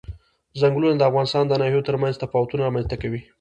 ځنګلونه د افغانستان د ناحیو ترمنځ تفاوتونه رامنځ ته کوي.